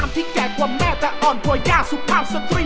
นี่แล้วป้ามาแด่